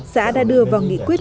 xã đã đưa vào nghị quyết